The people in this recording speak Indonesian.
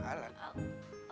kau enak banget pledge itu kan